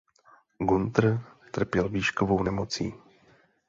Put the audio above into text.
Günther trpěl výškovou nemocí.